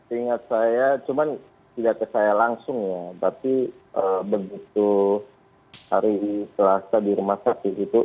saya ingat saya cuma tidak saya langsung ya berarti begitu hari selasa di rumah saya disitu